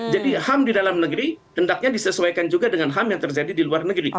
jadi ham di dalam negeri tendaknya disesuaikan juga dengan ham yang terjadi di luar negeri